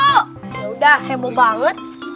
yaudah heboh banget